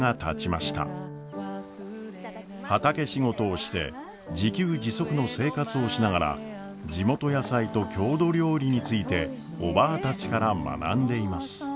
畑仕事をして自給自足の生活をしながら地元野菜と郷土料理についておばぁたちから学んでいます。